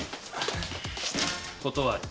断る。